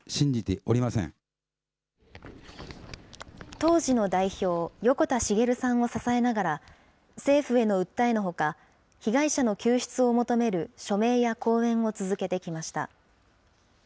当時の代表、横田滋さんを支えながら、政府への訴えのほか、被害者の救出を求める署名や講演を続けてきました。